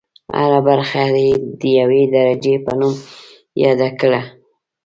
هره برخه یې د یوې درجې په نوم یاده کړه.